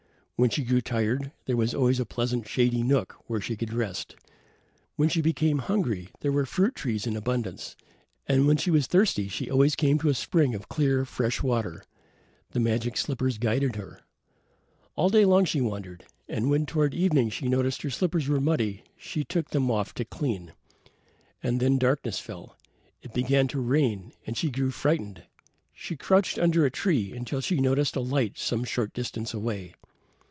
When she grew tired there was always a pleasant shady nook where she could rest; when she became hungry, there were fruit trees in abundance; and when she was thirsty she always came to a spring of clear, fresh water. The magic slippers guided her. All day long she wandered, and when toward evening she noticed her slippers were muddy she took them off to clean. And then darkness fell. It began to rain and she grew frightened. She crouched under a tree until she noticed a light some short distance away.